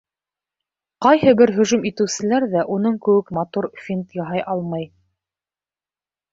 Ҡайһы бер һөжүм итеүселәр ҙә уның кеүек матур финт яһай алмай!